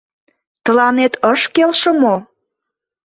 Тыланет ыш келше мо?